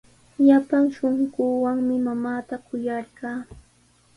Llapan shunquuwanmi mamaata kuyarqaa.